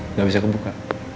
nggak bisa kebuka